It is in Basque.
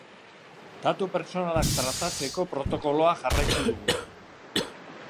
Datu pertsonalak tratatzeko protokoloa jarraitu dugu.